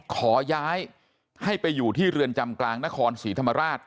ขอย้ายให้ไปอยู่ที่เรือนจำกลางนครศรีธรรมราช